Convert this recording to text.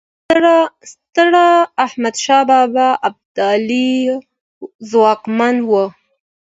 ستراحمدشاه ابدالي ځواکمن و.